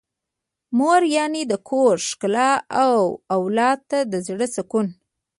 مور يعنې د کور ښکلا او اولاد ته د زړه سکون.